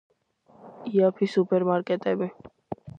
იაფი სუპერ მარკეტები